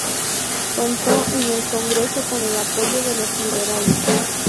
Contó en el Congreso con el apoyo de los liberales.